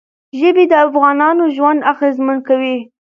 ژبې د افغانانو ژوند اغېزمن کوي.